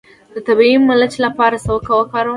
د طبیعي ملچ لپاره څه وکاروم؟